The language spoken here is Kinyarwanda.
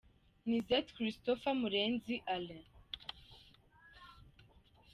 Nizette Christophe& Murenzi Alain.